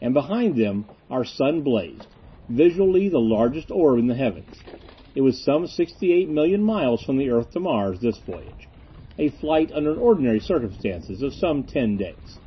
And behind them our sun blazed, visually the largest orb in the heavens. It was some sixty eight million miles from the earth to Mars, this voyage. A flight, under ordinary circumstances, of some ten days.